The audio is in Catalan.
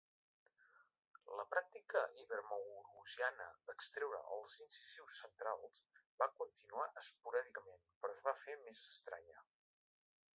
La pràctica ibermaurusiana d'extreure els incisius centrals va continuar esporàdicament, però es va fer més estranya.